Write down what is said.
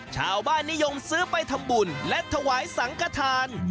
ชาวบ้านนิยมซื้อไปทำบุญและถวายสังกฐาน